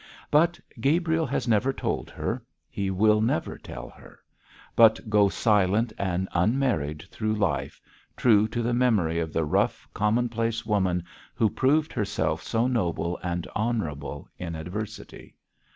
But Gabriel has never told her; he will never tell her, but go silent and unmarried through life, true to the memory of the rough, commonplace woman who proved herself so noble and honourable in adversity.